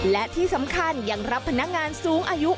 และที่สำคัญยังรับพนักงานสูงอายุ